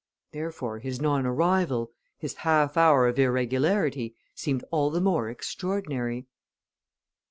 Therefore his non arrival, his half hour of irregularity, seemed all the more extraordinary.